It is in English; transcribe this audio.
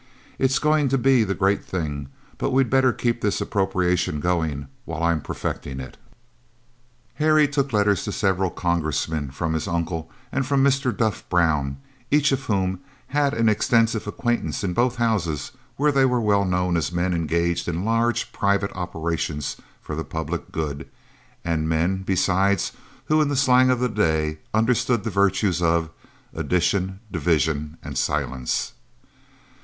It's going to be the great thing, but we'd better keep this appropriation going while I am perfecting it." Harry took letters to several congressmen from his uncle and from Mr. Duff Brown, each of whom had an extensive acquaintance in both houses where they were well known as men engaged in large private operations for the public good and men, besides, who, in the slang of the day, understood the virtues of "addition, division and silence."